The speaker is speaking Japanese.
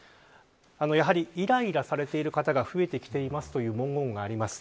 やはり、イライラされている方が増えてきていますという文言があります。